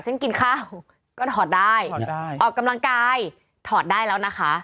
เช่นกินข้าวก็ถอดได้ออกกำลังกายถอดได้แล้วนะคะ